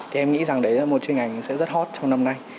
thì em nghĩ rằng đấy là một chuyên ngành sẽ rất hot trong năm nay